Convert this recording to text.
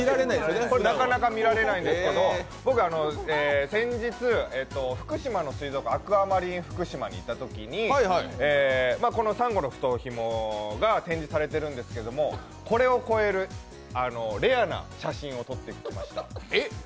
なかなか見れないんですけど先日、福島の水族館、アクアマリンふくしまに行ったときに、このサンゴノフトヒモが展示されてるんですけどこれを超えるレアな写真を撮ってきました。